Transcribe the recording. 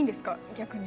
逆に。